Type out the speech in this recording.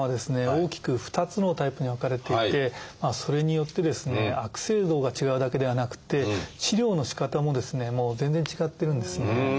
大きく２つのタイプに分かれていてそれによってですね悪性度が違うだけではなくて治療のしかたもですね全然違ってるんですね。